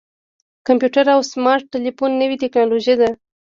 کمپیوټر او سمارټ ټلیفون نوې ټکنالوژي ده.